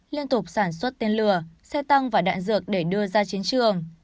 liên tục sản xuất tên lửa xe tăng và đạn dược để đưa ra chiến trường